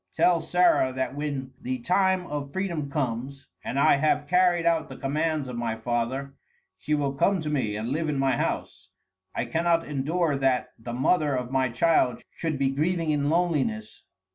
Tell Sarah that when the time of freedom comes and I have carried out the commands of my father, she will come to me and live in my house. I cannot endure that the mother of my child should be grieving in loneliness.